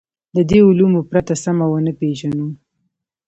له دې علومو پرته سمه ونه پېژنو.